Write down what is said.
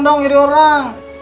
sopan dong jadi orang